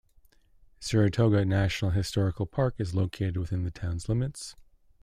Saratoga National Historical Park is located within the town's limits.